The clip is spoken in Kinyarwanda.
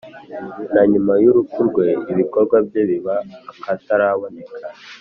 na nyuma y’urupfu rwe, ibikorwa bye biba akataraboneka.